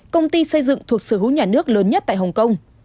công ty xây dựng thuộc sở hữu nhà nước lớn nhất tại hồng kông